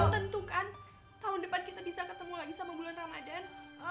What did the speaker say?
tentu kan tahun depan kita bisa ketemu lagi sama bulan ramadhan